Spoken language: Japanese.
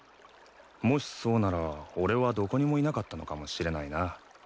もしそうなら俺はどこにもいなかったのかもしれないな。